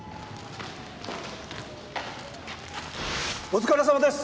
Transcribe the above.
お疲れさまです！